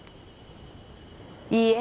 いいえ。